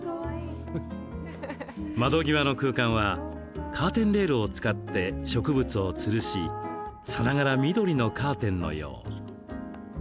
窓際の空間はカーテンレールを使って植物をつるしさながら緑のカーテンのよう。